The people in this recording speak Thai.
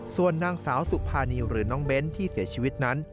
ส่วนนางสาวสุภานีหรือน้องเบ้นที่เสียชีวิตนั้น